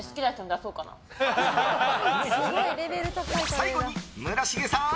最後に村重さん